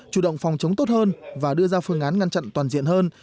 chủ động phòng chống tốt hơn và đưa ra phương án ngăn chặn toàn diện hơn